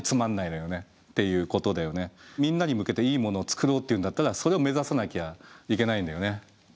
要するに大衆的であったりとかかといってみんなに向けていいものを作ろうっていうんだったらそれを目指さなきゃいけないんだよね。